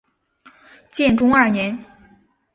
建中二年。